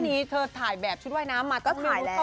แล้วดูแบบตื่นเลยนะครับสนุกดีเหรอ